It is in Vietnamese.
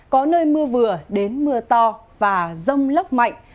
có nơi mưa vừa đến mưa to và rông lốc mạnh